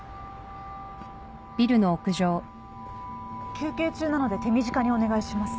休憩中なので手短にお願いします。